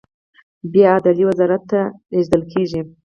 بیا عدلیې وزارت ته لیږل کیږي.